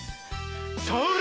それ！